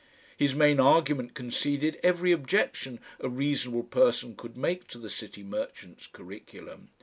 His main argument conceded every objection a reasonable person could make to the City Merchants' curriculum.